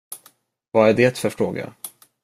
Vad är det för fråga?